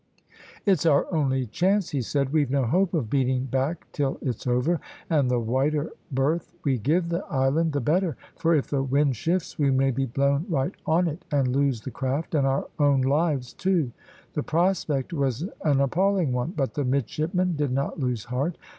"It's our only chance," he said, "we've no hope of beating back till it's over and the wider berth we give the island the better; for if the wind shifts we may be blown right on it, and lose the craft and our own lives too." The prospect was an appalling one but the midshipmen did not lose heart.